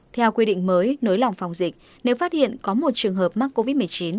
theo quy định mới nới lỏng phòng dịch nếu phát hiện có một trường hợp mắc covid một mươi chín